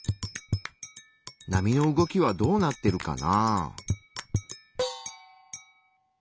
波の動きはどうなってるかな？